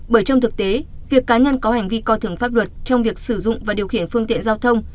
bởi trong thực tế việc cá nhân có hành vi coi thường pháp luật trong việc sử dụng và điều khiển phương tiện giao thông